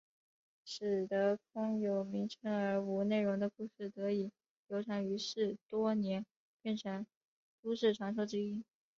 使得空有名称而无内容的故事得以流传于世多年变成都市传说之一。